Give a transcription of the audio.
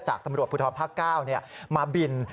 จากตำรวจภูทธรรมภาคเก้ามาบิน